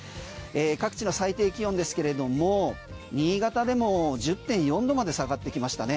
各地の最低気温ですけれども新潟でも１０．４度まで下がってきましたね。